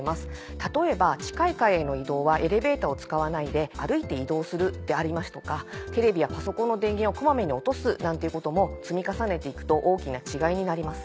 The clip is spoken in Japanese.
例えば近い階への移動はエレベーターを使わないで歩いて移動するでありますとかテレビやパソコンの電源を小まめに落とすなんていうことも積み重ねて行くと大きな違いになります。